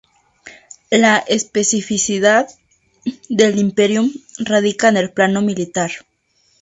La especificidad del "imperium" radica en el plano militar.